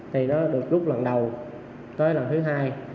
thì nó được rút lần đầu tới lần thứ hai